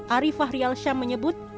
ariefah rial syam menyebut